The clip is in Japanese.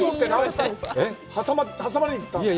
挟まりに行ったんですか。